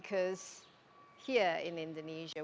karena di indonesia